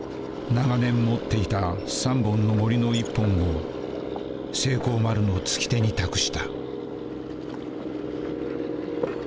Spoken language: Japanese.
長年持っていた３本のもりの１本を成幸丸の突き手に託した。